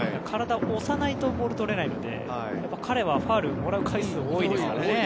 体を押さないとボールがとれないので彼はファウルをもらう回数が多いですからね。